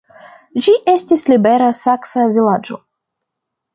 Ĝi estis libera saksa vilaĝo.